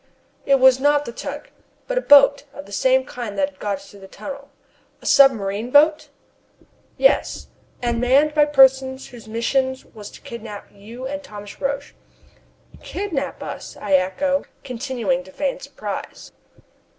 "It was not the tug, but a boat of the same kind that had got through the tunnel." "A submarine boat?" I ejaculate. "Yes, and manned by persons whose mission was to kidnap you and Thomas Roch." "Kidnap us?" I echo, continuing to feign surprise.